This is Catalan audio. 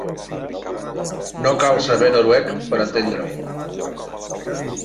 No cal saber noruec per entendre-ho.